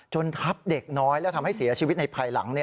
ทับเด็กน้อยแล้วทำให้เสียชีวิตในภายหลัง